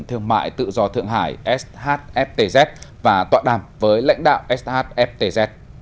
thương mại tự do thượng hải shftz và tọa đàm với lãnh đạo shftz